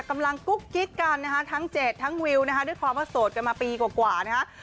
กุ๊กกิ๊กกันนะคะทั้งเจดทั้งวิวนะคะด้วยความว่าโสดกันมาปีกว่านะฮะ